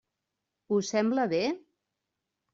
Us sembla bé?